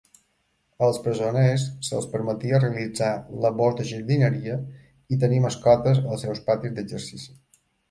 Als presoners se'ls permetia realitzar labors de jardineria i tenir mascotes als seus patis d'exercici.